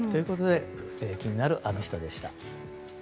気になるアノ人でした。